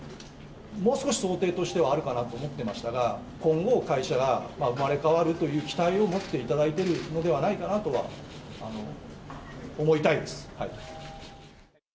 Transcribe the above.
もう少し想定としてはあるかなと思ってましたが、今後、会社が生まれ変わるという期待を持っていただいているのではないかなというのは思いたいです。